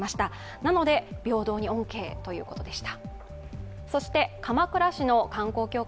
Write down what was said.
なので平等に恩恵ということでした。